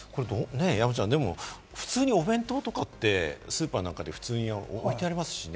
普通にお弁当とかって、スーパーなんかで普通に置いてありますしね。